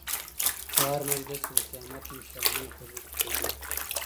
په هر مجلس کې د قیامت نښانې خبرې کېدې.